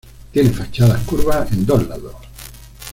Tiene fachadas curvas en dos lados.